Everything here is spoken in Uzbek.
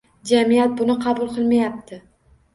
Jamiyat buni qabul qilmayapti.